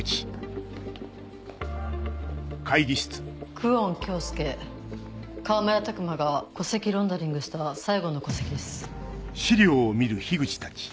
久遠京介川村琢磨が戸籍ロンダリングした最後の戸籍です。